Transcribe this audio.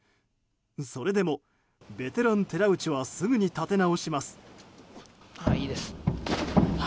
それでも、ベテラン寺内はすぐに立て直します。